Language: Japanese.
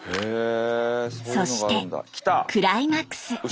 そしてクライマックス。